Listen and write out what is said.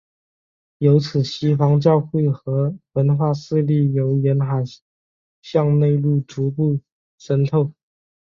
由此西方教会和文化势力由沿海向内陆逐步渗透。